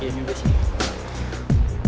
ya udah sih